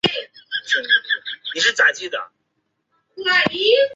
创造力需要知识的支援才能呈现其最佳状态。